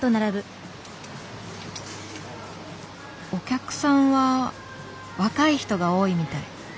お客さんは若い人が多いみたい。